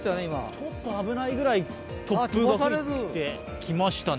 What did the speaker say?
ちょっと危ないぐらい突風が吹いてきましたね。